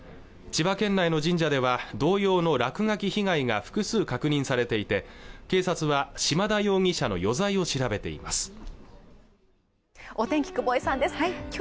千葉県内の神社では同様の落書き被害が複数確認されていて警察は島田容疑者の余罪を調べています